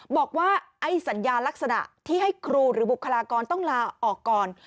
บอกว่าไอ้สัญญาลักษณะที่ให้ครูหรือบุคลากรต้องลาออกก่อน